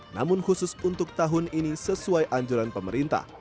namun khusus untuk tahun ini sesuai anjuran pemerintah